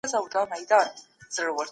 بهرنیو اسعارو ته باید ارزښت ورنکړو.